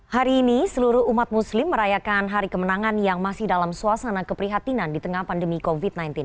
hari ini seluruh umat muslim merayakan hari kemenangan yang masih dalam suasana keprihatinan di tengah pandemi covid sembilan belas